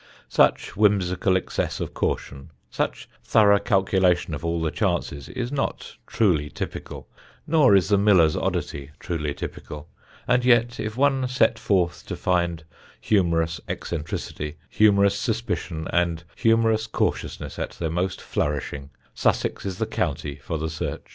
Such whimsical excess of caution, such thorough calculation of all the chances, is not truly typical, nor is the miller's oddity truly typical; and yet if one set forth to find humorous eccentricity, humorous suspicion, and humorous cautiousness at their most flourishing, Sussex is the county for the search.